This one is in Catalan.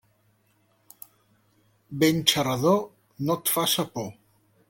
Vent xerrador, no et faça por.